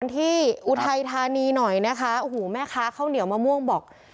อุทัยธานีหน่อยนะคะโอ้โหแม่ค้าข้าวเหนียวมะม่วงบอก